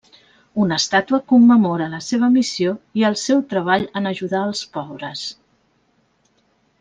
Una estàtua commemora la seva missió i el seu treball en ajudar els pobres.